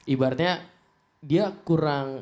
ibaratnya dia kurang